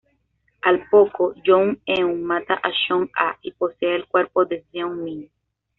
Al poco, Young-eon mata a Choh-ah y posee el cuerpo de Seon-min.